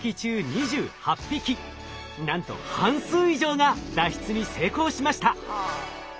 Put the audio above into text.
なんと半数以上が脱出に成功しました。